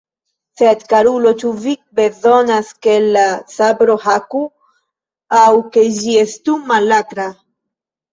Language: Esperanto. Sed, karulo, ĉu vi bezonas, ke la sabro haku, aŭ ke ĝi estu malakra?